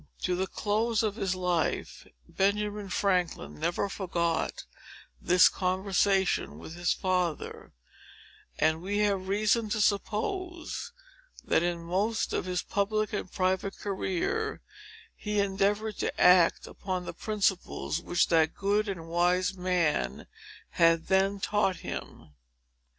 To the close of his life, Ben Franklin never forgot this conversation with his father; and we have reason to suppose, that in most of his public and private career, he endeavored to act upon the principles which that good and wise man had then taught him.